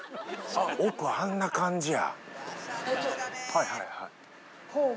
奥あんな感じや。